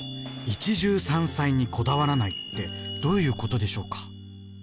「一汁三菜にこだわらない」ってどういうことでしょうか？